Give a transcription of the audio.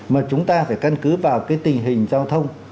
mà chúng ta phải căn cứ vào cái tình hình giao thông